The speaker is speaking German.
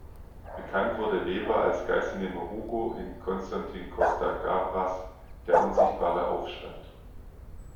Bekannt wurde Weber als Geiselnehmer "Hugo" in Constantin Costa-Gavras' "Der unsichtbare Aufstand".